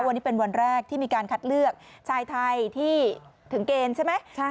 วันนี้เป็นวันแรกที่มีการคัดเลือกชายไทยที่ถึงเกณฑ์ใช่ไหม